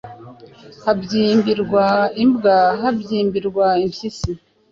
Habyimbirwa imbwa, habyimbirwa impyisi,